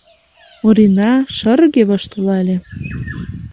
Орина шырге воштылале.